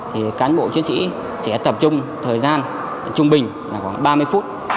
thì cán bộ chiến sĩ sẽ tập trung thời gian trung bình là khoảng ba mươi phút